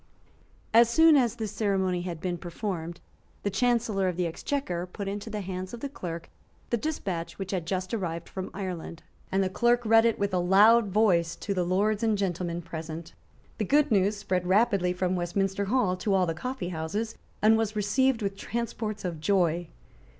As soon as this ceremony had been performed, the Chancellor of the Exchequer put into the hands of the Clerk the despatch which had just arrived from Ireland, and the Clerk read it with a loud voice to the lords and gentlemen present, The good news spread rapidly from Westminster Hall to all the coffeehouses, and was received with transports of joy.